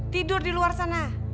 tidur di luar sana